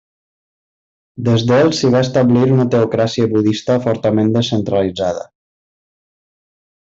Des del s'hi va establir una teocràcia budista fortament descentralitzada.